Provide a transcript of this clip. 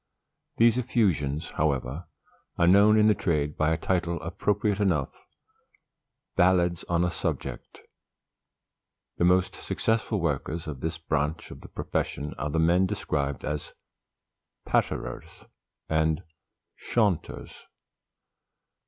These effusions, however, are known in the trade by a title appropriate enough, "BALLADS ON A SUBJECT." The most successful workers of this branch of the profession are the men described as patterers and chaunters.